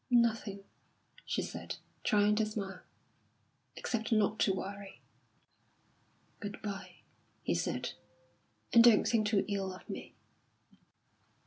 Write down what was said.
"Nothing," she said, trying to smile, "except not to worry." "Good bye," he said. "And don't think too ill of me."